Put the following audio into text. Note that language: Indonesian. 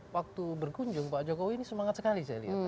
waktu berkunjung pak jokowi ini semangat sekali saya lihat